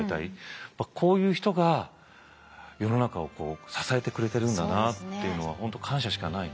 こういう人が世の中を支えてくれてるんだなっていうのは本当感謝しかないね。